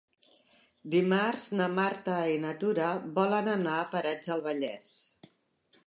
Dimarts na Marta i na Tura volen anar a Parets del Vallès.